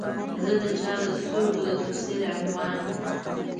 زه د چا د سترګو د تفسیر عنوان